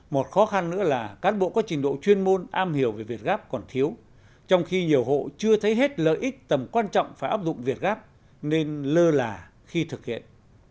một khó khăn nữa là cán bộ có trình độ chuyên môn am hiểu về việt gáp còn thiếu trong khi nhiều hộ chưa thấy hết lợi ích tầm quan trọng phải áp dụng việt gáp nên lơ là khi thực hiện